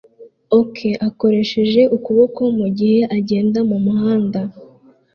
Ok akoresheje ukuboko mugihe agenda mumuhanda